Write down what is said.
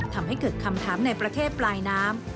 ทำให้เกิดคำถามในประเทศปลายน้ำ